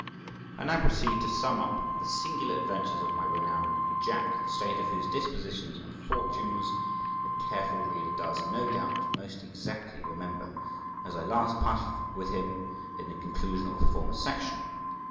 I now proceed to sum up the singular adventures of my renowned Jack, the state of whose dispositions and fortunes the careful reader does, no doubt, most exactly remember, as I last parted with them in the conclusion of a former section.